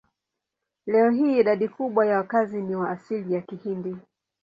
Leo hii idadi kubwa ya wakazi ni wa asili ya Kihindi.